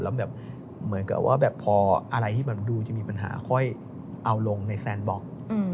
แล้วแบบเหมือนกับว่าแบบพออะไรที่มันดูจะมีปัญหาค่อยเอาลงในแฟนบล็อก